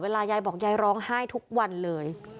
ยายบอกยายร้องไห้ทุกวันเลย